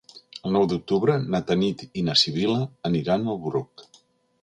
El nou d'octubre na Tanit i na Sibil·la aniran al Bruc.